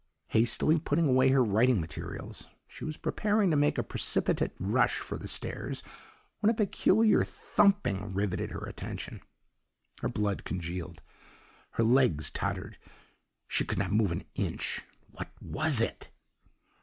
"Hastily putting away her writing materials, she was preparing to make a precipitate rush for the stairs when a peculiar thumping riveted her attention. "Her blood congealed, her legs tottered, she could not move an inch. What was it?